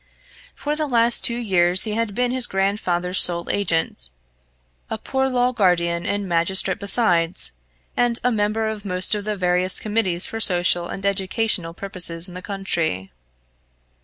For the last two years he had been his grandfather's sole agent, a poor law guardian and magistrate besides, and a member of most of the various committees for social and educational purposes in the county.